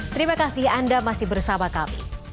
terima kasih anda masih bersama kami